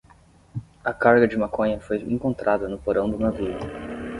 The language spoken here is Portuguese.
A carga de maconha foi encontrada no porão do navio